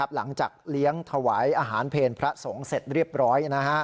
หลังจากเลี้ยงถวายอาหารเพลพระสงฆ์เสร็จเรียบร้อย